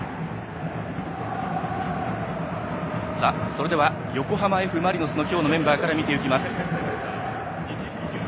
それでは、横浜Ｆ・マリノスの今日のメンバーから見ていきます。